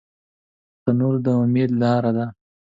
تنور د امید لاره ده